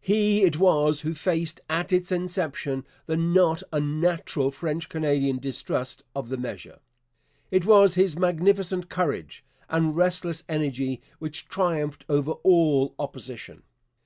He it was who faced at its inception the not unnatural French Canadian distrust of the measure. It was his magnificent courage and resistless energy which triumphed over all opposition.